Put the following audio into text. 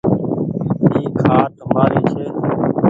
اي کآٽ مآري ڇي